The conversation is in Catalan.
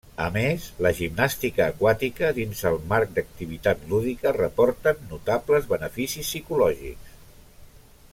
A més la gimnàstica aquàtica dins el marc d'activitat lúdica reporten notables beneficis psicològics.